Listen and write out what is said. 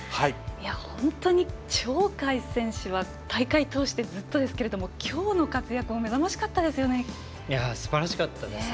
本当に鳥海選手は大会通してずっとですけれどもきょうの活躍も目覚ましかったですよね。